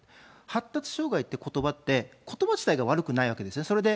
発達障害ってことばって、ことば自体は悪くないわけですね。